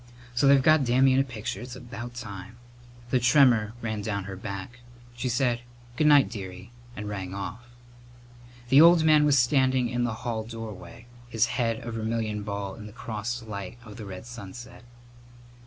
So they've got Dammy in a picture. It's about time!" The tremor ran down her back. She said "Good night, dearie," and rang off. The old man was standing in the hall doorway, his head a vermilion ball in the crossed light of the red sunset.